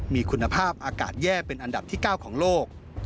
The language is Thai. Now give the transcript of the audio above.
มีคุณภาพอากาศแย่เป็นอันดับที่๙ของโลก